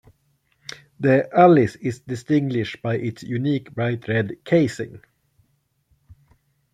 The Alice is distinguished by its unique, bright red casing.